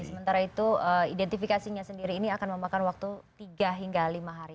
sementara itu identifikasinya sendiri ini akan memakan waktu tiga hingga lima hari